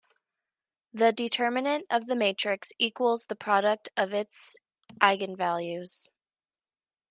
The determinant of the matrix equals the product of its eigenvalues.